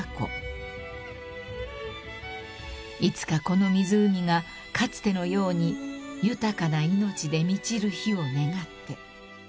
［いつかこの湖がかつてのように豊かな命で満ちる日を願って］